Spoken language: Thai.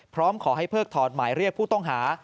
พร้อมขอให้เพิกถอนหมายเรียกผู้ต้องหา